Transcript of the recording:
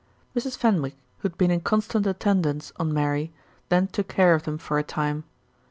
Mrs. Fenwick, who had been in constant attendance on Mary, then took care of them for a time.